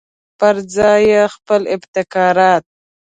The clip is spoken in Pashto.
پرځای یې خپل ابتکارات.